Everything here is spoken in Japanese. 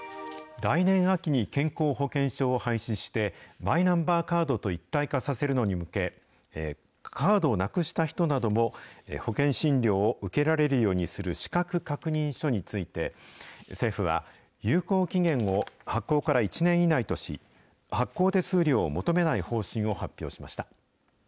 来年秋に健康保険証を廃止して、マイナンバーカードと一体化させるのに向け、カードをなくした人なども保険診療を受けられるようにする資格確認書について、政府は、有効期限を発行から１年以内とし、発行手数料を求めない方針を発表しました。